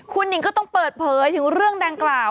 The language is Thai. คุณหนิงก็ต้องเปิดเผยถึงเรื่องดังกล่าว